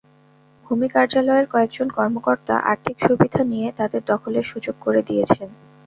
ভূমি কার্যালয়ের কয়েকজন কর্মকর্তা আর্থিক সুবিধা নিয়ে তাঁদের দখলের সুযোগ করে দিয়েছেন।